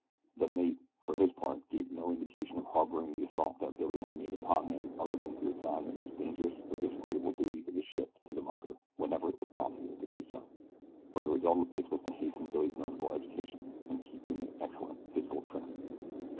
The mate, for his part, gave no indication of harboring the assault that Billy had made upon him other than to assign the most dangerous or disagreeable duties of the ship to the mucker whenever it was possible to do so; but the result of this was to hasten Billy's nautical education, and keep him in excellent physical trim.